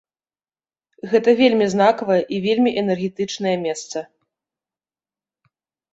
Гэта вельмі знакавае і вельмі энергетычнае месца.